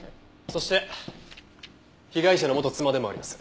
そして被害者の元妻でもあります。